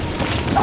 あ！